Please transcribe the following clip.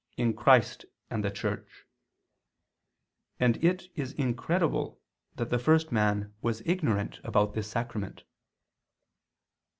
. in Christ and the Church," and it is incredible that the first man was ignorant about this sacrament.